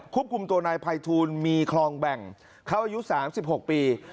คุมตัวนายภัยทูลมีคลองแบ่งเขาอายุ๓๖ปี